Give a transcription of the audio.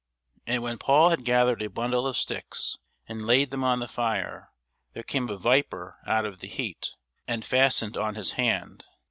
And when Paul had gathered a bundle of sticks, and laid them on the fire, there came a viper out of the heat, and fastened on his hand.